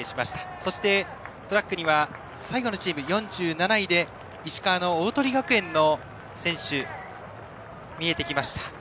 そして、トラックには最後のチーム４７位で石川の鵬学園の選手が見えてきました。